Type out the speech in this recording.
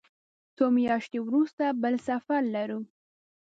څو میاشتې وروسته بل سفر لرو.